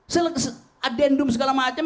selain adendum segala macam